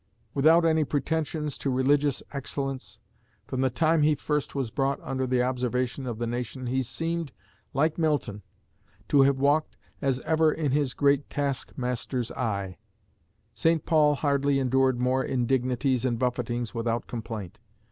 Without any pretensions to religious excellence, from the time he first was brought under the observation of the nation he seemed, like Milton, to have walked 'as ever in his great Taskmaster's eye.' St. Paul hardly endured more indignities and buffetings without complaint.